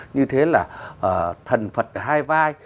như thế là thần phật hai vai